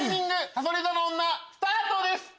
さそり座の女スタートです！